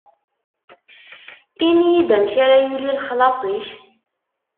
Ini-yi-d amek ara yili lexlaṣ-ik?